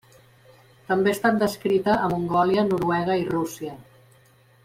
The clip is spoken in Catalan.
També ha estat descrita a Mongòlia, Noruega i Rússia.